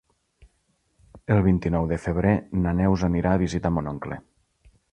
El vint-i-nou de febrer na Neus anirà a visitar mon oncle.